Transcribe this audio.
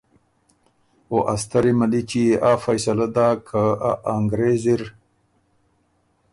او ا ستری ملِچی يې آ فیصلۀ داک که ا انګرېز اِر